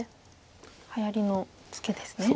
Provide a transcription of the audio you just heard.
はやりのツケですね。